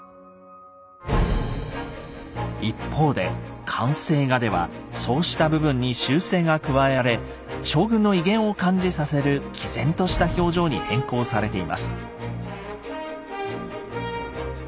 一方で完成画ではそうした部分に修正が加えられ将軍の威厳を感じさせる毅然とした表情に変更されています。